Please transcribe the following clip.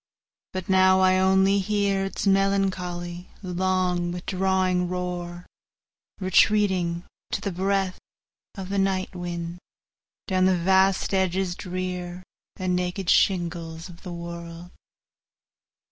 But now I only hearIts melancholy, long, withdrawing roar, Retreating, to the breathOf the night winds, down the vast edges drearAnd naked shingles of the world.